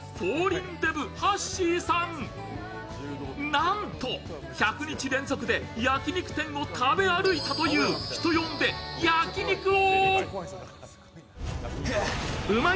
なんと１００日連続で焼き肉店を食べ歩いたという人呼んで焼肉王。